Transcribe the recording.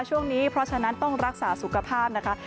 ช่วงนี้เพราะฉะนั้นต้องรักษาสุขภาพนะคะ